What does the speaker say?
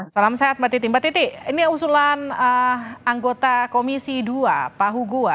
salam sehat mbak titi mbak titi ini usulan anggota komisi dua pak hugua